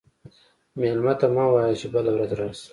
مېلمه ته مه وایه چې بله ورځ راشه.